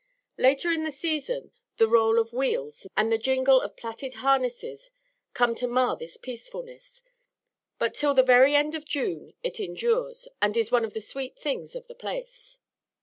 Later in the season the roll of wheels and the jingle of plated harnesses come to mar this peacefulness; but till the very end of June it endures, and is one of the sweet things of the place.